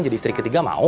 jadi istri ketiga mau